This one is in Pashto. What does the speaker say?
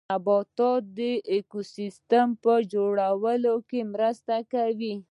نباتات د ايکوسيستم په جوړولو کې مرسته کوي